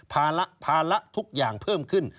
ภาระภาระทุกอย่างเพิ่มขึ้น